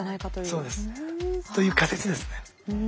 そうです。という仮説ですね。